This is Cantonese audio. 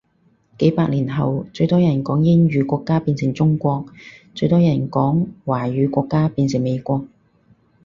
幾百年後最人多講英語國家變成中國，最多人講華語國家變成美國